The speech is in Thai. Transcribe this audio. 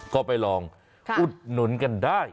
ก็ไปลองอุดหนุนกันได้